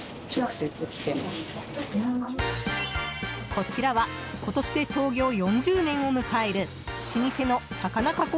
こちらは今年で創業４０年を迎える老舗の魚加工